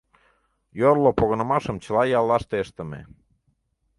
Йорло погынымашым чыла яллаште ыштыме.